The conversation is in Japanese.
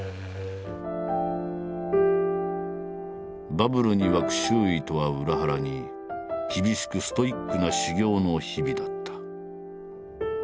バブルに沸く周囲とは裏腹に厳しくストイックな修業の日々だった。